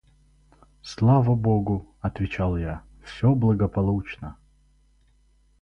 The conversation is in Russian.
– Слава богу, – отвечал я, – все благополучно.